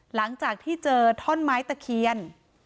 หลังจากที่เจอท่อนไม้ตะเคียน